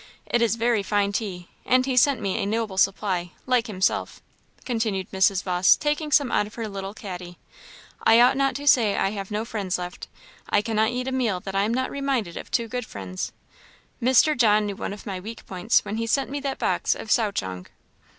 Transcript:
It is very fine tea; and he sent me a noble supply, like himself," continued Mrs. Vawse, taking some out of her little caddy. "I ought not to say I have no friends left; I cannot eat a meal that I am not reminded of two good ones. Mr. John knew one of my weak points when he sent me that box of souchong."